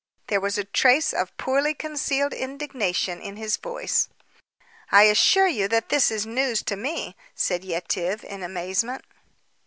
There was a trace of poorly concealed indignation in his voice. "I assure you that this is news to me," said Yetive in amazement.